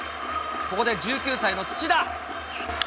ここで１９歳の土田。